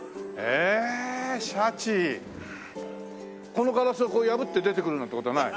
このガラスを破って出てくるなんて事はない？